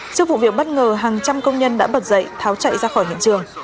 trước vụ việc bất ngờ hàng trăm công nhân đã bật dậy tháo chạy ra khỏi hiện trường